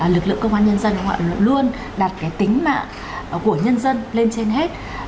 lực lượng công an nhân dân họ luôn đặt cái tính mạng của nhân dân lên trên hết